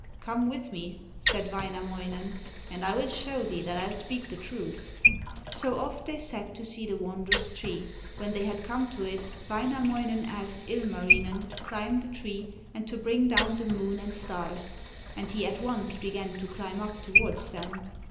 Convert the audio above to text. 'Come with me,' said Wainamoinen, 'and I will show thee that I speak the truth.' So off they set to see the wondrous tree. When they had come to it Wainamoinen asked Ilmarinen to climb the tree and to bring down the moon and stars, and he at once began to climb up towards them.